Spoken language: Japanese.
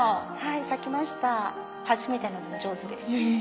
咲きました初めてなのに上手です。